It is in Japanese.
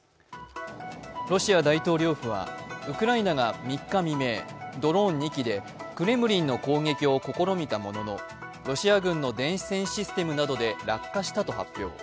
ロシア大統領府はウクライナが３日未明、ドローン２機でクレムリンの攻撃を試みたものの、ロシア軍の電子戦システムなどで落下したと発表。